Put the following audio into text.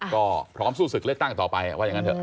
ก็พร้อมสู้ศึกเลือกตั้งต่อไปว่าอย่างนั้นเถอ